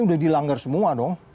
sudah dilanggar semua dong